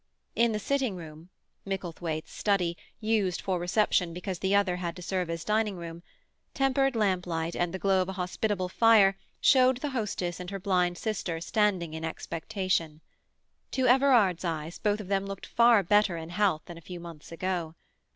In the sitting room (Micklethwaite's study, used for reception because the other had to serve as dining room) tempered lamplight and the glow of a hospitable fire showed the hostess and her blind sister standing in expectation; to Everard's eyes both of them looked far better in health than a few months ago.